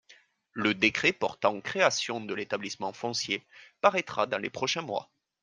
Le décret portant création de l’établissement foncier paraîtra dans les prochains mois.